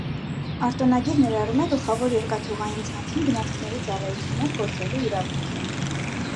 Արտոնագիր ներառում է գլխավոր երկաթուղային ցանցում գնացքների ծառայություններ գործելու իրավունքը։